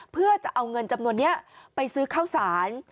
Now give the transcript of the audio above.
เพื่อจะเอาเงินจำนวนนี้ไปซื้อข้าวสาร